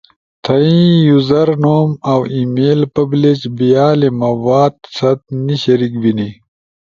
تھئی یوزر نوم اؤ ای میل پبلیش بیالی مواد ست نی شریک بینی۔